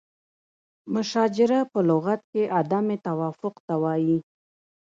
مشاجره په لغت کې عدم توافق ته وایي.